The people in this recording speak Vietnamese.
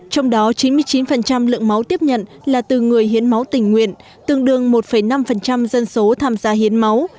trong đó chín mươi chín lượng máu tiếp nhận là từ người hiến máu tình nguyện tương đương một năm dân số tham gia hiến máu